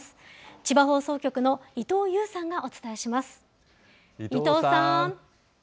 千葉放送局の伊藤優さんがお伝えします。